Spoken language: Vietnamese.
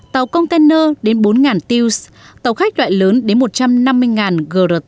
tàu container đến bốn tw tàu khách loại lớn đến một trăm năm mươi grt